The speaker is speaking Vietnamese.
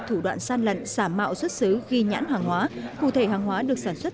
thủ đoạn gian lận xả mạo xuất xứ ghi nhãn hàng hóa cụ thể hàng hóa được sản xuất